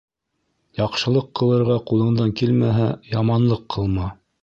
Яҡшылыҡ ҡылырға ҡулыңдан килмәһә, яманлыҡ ҡылма.